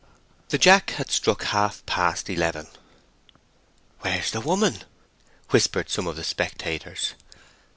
The jack had struck half past eleven. "Where's the woman?" whispered some of the spectators.